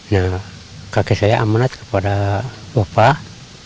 nah kakek saya amanat kepada bapak